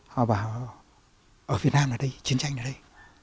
họ bảo ở việt nam là đây chiến tranh là đây